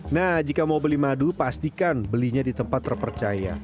nah jika mau beli madu pastikan belinya di tempat terpercaya